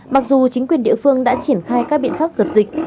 mặc dù chính quyền địa phương đã triển khai các biện pháp dập dịch